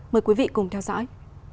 mời quý vị cùng theo dõi